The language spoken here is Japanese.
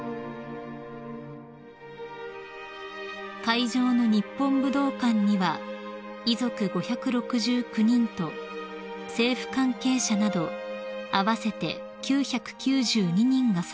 ［会場の日本武道館には遺族５６９人と政府関係者など合わせて９９２人が参列］